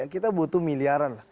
kita butuh miliaran